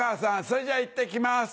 それじゃいってきます。